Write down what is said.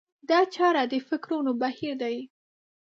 دا چاره د فکرونو بهير دی.